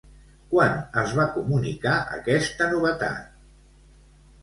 Quan es va comunicar aquesta novetat?